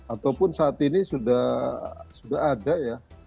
ataupun saat ini sudah ada ya